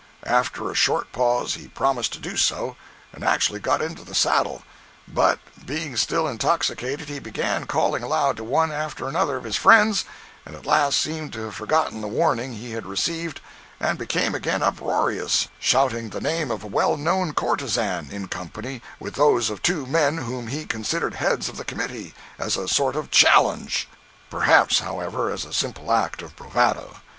After a short pause he promised to do so, and actually got into the saddle; but, being still intoxicated, he began calling aloud to one after another of his friends, and at last seemed to have forgotten the warning he had received and became again uproarious, shouting the name of a well known courtezan in company with those of two men whom he considered heads of the committee, as a sort of challenge; perhaps, however, as a simple act of bravado.